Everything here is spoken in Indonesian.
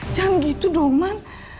jangan gitu dong